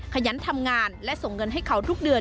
ขยันทำงานและส่งเงินให้เขาทุกเดือน